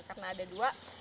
karena ada dua